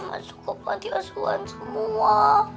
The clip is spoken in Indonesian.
masuk ke panti asuan semua